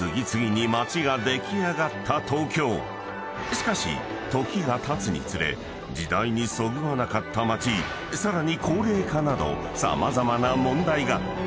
［しかし時がたつにつれ時代にそぐわなかった街さらに高齢化など様々な問題が］